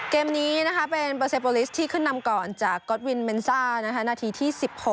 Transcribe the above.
เกมนี้เป็นเบอร์เซโปรลิสที่ขึ้นนำก่อนจากก๊อตวินเมนซ่านาทีที่๑๖